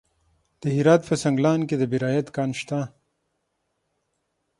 د هرات په سنګلان کې د بیرایت کان شته.